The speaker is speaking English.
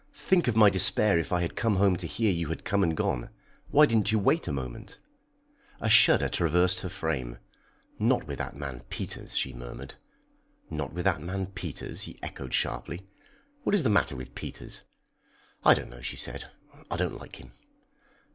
"Think of my despair if I had come home to hear you had come and gone. Why didn't you wait a moment?" [Illustration: "SHE NESTLED AGAINST HIM."] A shudder traversed her frame. "Not with that man, Peters!" she murmured. "Not with that man, Peters!" he echoed sharply. "What is the matter with Peters?" "I don't know," she said. "I don't like him."